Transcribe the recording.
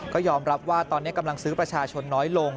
ก็ยอมรับว่าตอนนี้กำลังซื้อประชาชนน้อยลง